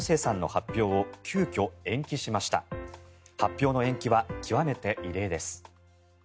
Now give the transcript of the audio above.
発表の延期は極めて異例です。